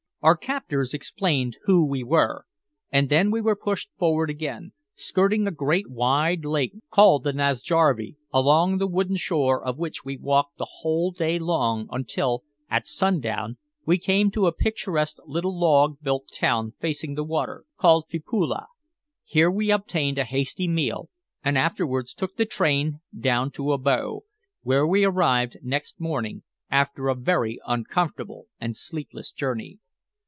Our captors explained who we were, and then we were pushed forward again, skirting a great wide lake called the Nasjarvi, along the wooded shore of which we walked the whole day long until, at sundown, we came to a picturesque little log built town facing the water, called Filppula. Here we obtained a hasty meal, and afterwards took the train down to Abo, where we arrived next morning, after a very uncomfortable and sleepless journey.